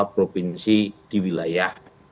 provinsi di wilayah